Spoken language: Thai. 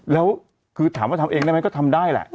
แล้วคือถามว่าทำเองได้ไหมก็ทำได้แหละ